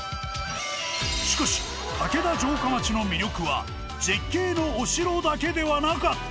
しかし竹田城下町の魅力は絶景のお城だけではなかった！